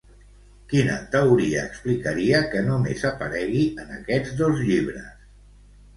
Quina teoria explicaria que només aparegui en aquests dos llibres?